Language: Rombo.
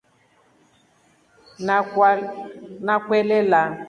NA kwelala.